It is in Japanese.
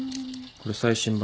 これ最新版。